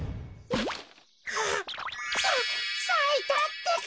あっささいたってか。